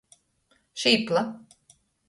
Šīpla.